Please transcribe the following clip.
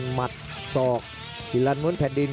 หมัดศอกศิลันม้วนแผ่นดิน